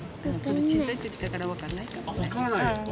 小さい時だからわからないか。